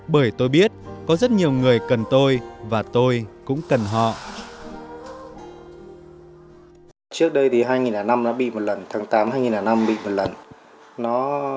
bởi tôi biết có rất nhiều người cần tôi và tôi cũng cần họ